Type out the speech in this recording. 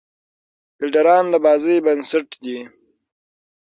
فیلډران د بازۍ بېنسټ دي.